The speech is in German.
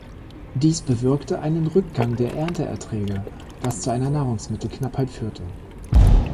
Dies bewirkte einen Rückgang der Ernteerträge, was zu einer Nahrungsmittelknappheit führte.